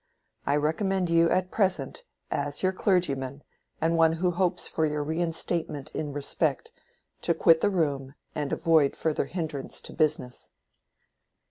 I recommend you at present, as your clergyman, and one who hopes for your reinstatement in respect, to quit the room, and avoid further hindrance to business."